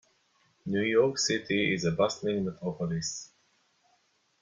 New York City is a bustling metropolis.